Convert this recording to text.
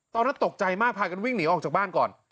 ตอนนั้นตกใจมากพากันวิ่งหนีออกจากบ้านก่อน